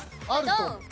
ドン！